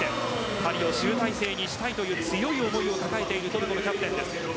パリへ行きたいという強い思いを抱えているトルコのキャプテンです。